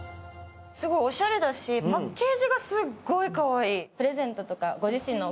おしゃれだし、パッケージがすごいかわいい。